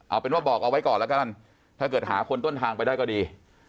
เอาเป็นว่าบอกเอาไว้ก่อนแล้วกันถ้าเกิดหาคนต้นทางไปได้ก็ดี